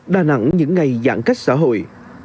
đà nẵng những ngày giãn cách xã hội